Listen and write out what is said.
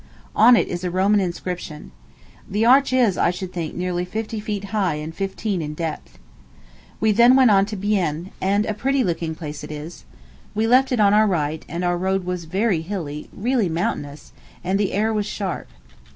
On it is a Roman inscription. The arch is, I should think, nearly fifty feet high and fifteen feet in depth. We then went on to Bienne; and a pretty looking place it is. We left it on our right, and our road was very hilly, really mountainous, and the air was sharp.